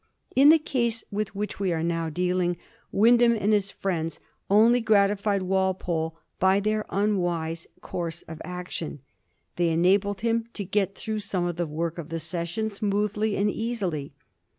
In the case with which we are now dealing Wyndham and his friends only gratified Walpole by their unwise course of action. They enabled him to get through some of the work of the session smoothly and easily.